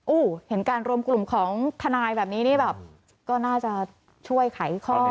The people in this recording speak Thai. เห็นการรวมกลุ่มของทนายแบบนี้นี่แบบก็น่าจะช่วยไขข้อ